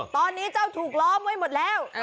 ตอนนี้เจ้าถูกล้อมไว้หมดแล้ว